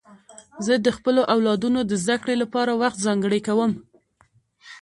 زه د خپلو اولادونو د زدهکړې لپاره وخت ځانګړی کوم.